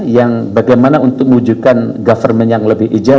yang bagaimana untuk mewujudkan government yang lebih ideal